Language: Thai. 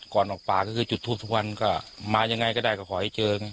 ก่อนออกป่าก็คือจุดทูปทุกวันก็มายังไงก็ได้ก็ขอให้เจอไง